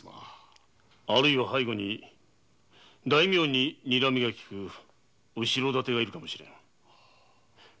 背後に大名に「にらみ」がきく後ろ盾がいるかもしれん。